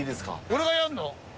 俺がやるの？